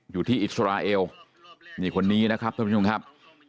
อยู่ที่อิสราเอลอีกคนนี้นะครับสำหรับทุกคนครับ